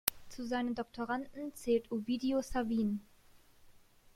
Zu seinen Doktoranden zählt Ovidiu Savin.